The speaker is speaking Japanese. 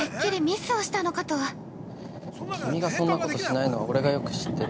◆君がそんなことしないのは俺がよく知ってる。